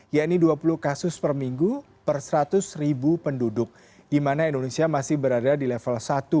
yakni dua puluh kasus per minggu per seratus ribu penduduk di mana indonesia masih berada di level satu